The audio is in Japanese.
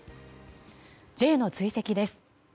Ｊの追跡です。